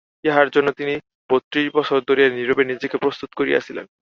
ইহার জন্য তিনি বত্রিশ বৎসর ধরিয়া নীরবে নিজেকে প্রস্তুত করিয়াছিলেন।